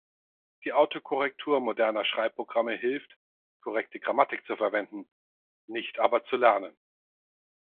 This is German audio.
Die Autokorrektur moderner Schreibprogramme hilft, korrekte Grammatik zu verwenden, nicht aber zu lernen.